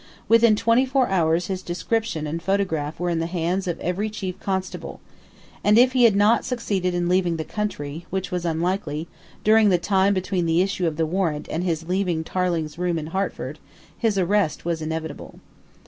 Within twenty four hours his description and photograph were in the hands of every chief constable; and if he had not succeeded in leaving the country which was unlikely during the time between the issue of the warrant and his leaving Tarling's room in Hertford, his arrest was inevitable.